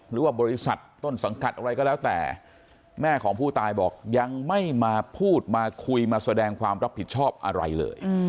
หรือว่าบริษัทต้นสังกัดอะไรก็แล้วแต่แม่ของผู้ตายบอกยังไม่มาพูดมาคุยมาแสดงความรับผิดชอบอะไรเลย